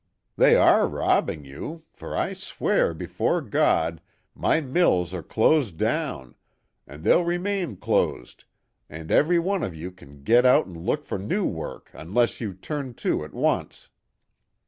They are robbing you, for, I swear before God, my mills are closed down, and they'll remain closed, and every one of you can get out and look for new work unless you turn to at once."